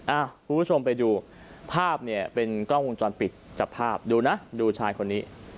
คุณผู้ชมไปดูภาพเนี่ยเป็นกล้องวงจรปิดจับภาพดูนะดูชายคนนี้